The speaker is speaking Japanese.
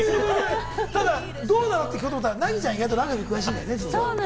どうなの？って聞こうと思ったら、凪ちゃん、意外とラグビー詳しいんだよね？